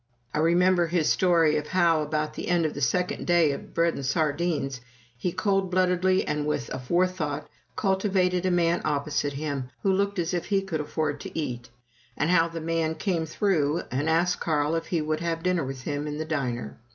I remember his story of how, about the end of the second day of bread and sardines, he cold bloodedly and with aforethought cultivated a man opposite him, who looked as if he could afford to eat; and how the man "came through" and asked Carl if he would have dinner with him in the diner.